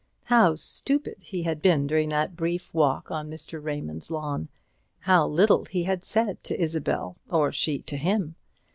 How stupid he had been during that brief walk on Mr. Raymond's lawn; how little he had said to Isabel, or she to him!